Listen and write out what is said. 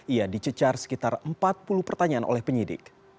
ia dicecar sekitar empat puluh pertanyaan oleh penyidik